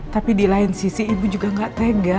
tapi di lain sisi ibu juga nggak tega